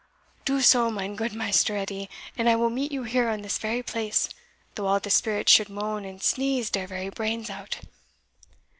"Do so, mine goot Maister Edie, and I will meet you here on this very place, though all de spirits should moan and sneeze deir very brains out."